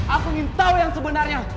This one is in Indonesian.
aku ingin tahu yang sebenarnya